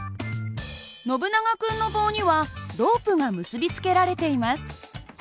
ノブナガ君の棒にはロープが結び付けられています。